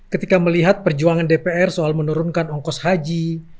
ketika melihat perjuangan dpr soal menurunkan ongkos haji